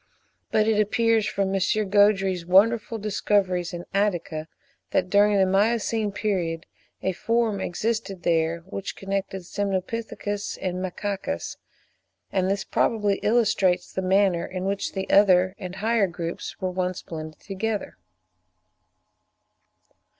But it appears from M. Gaudry's wonderful discoveries in Attica, that during the Miocene period a form existed there, which connected Semnopithecus and Macacus; and this probably illustrates the manner in which the other and higher groups were once blended together.